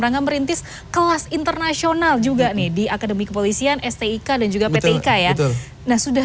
rangka merintis kelas internasional juga nih di akademi kepolisian stik dan juga pt ika ya nah sudah